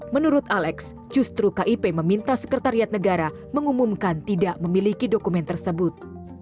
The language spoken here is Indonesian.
menurut alex justru kip meminta sekretariat negara mengumumkan tidak memiliki dokumen tersebut